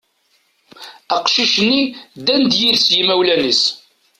Aqcic-nni ddan-d yid-s yimawlan-is.